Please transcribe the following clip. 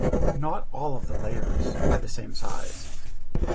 Not all of the layers are the same size.